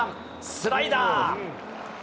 スライダー。